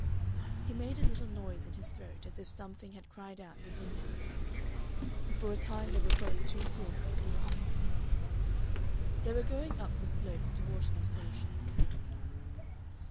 He made a little noise in his throat as if something had cried out within him, and for a time they were both too full for speech. They were going up the slope into Waterloo Station.